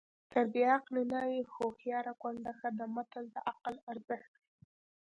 تر بې عقلې ناوې هوښیاره کونډه ښه ده متل د عقل ارزښت ښيي